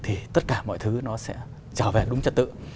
thì tất cả mọi thứ nó sẽ trở về đúng trật tự